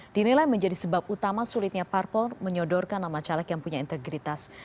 dinilai menjadi sebab utama sulitnya parpol menyodorkan nama caleg yang punya integritas